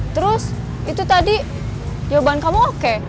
terus itu tadi jawaban kamu oke